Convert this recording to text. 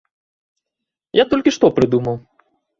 Я толькі што прыдумаў.